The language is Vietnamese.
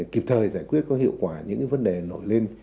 kịp thời giải quyết có hiệu quả những vấn đề nổi lên